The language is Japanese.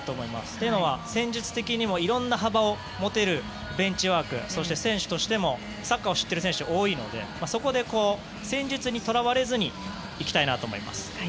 というのは戦術的にもいろんな幅を持てるベンチワークそして、選手としてもサッカーを知っている選手が多いのでそこで戦術にとらわれずにいきたいと思います。